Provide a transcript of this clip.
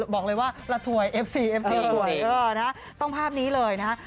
บอกเลยว่าละถ่วยเอฟซีต้องภาพนี้เลยนะ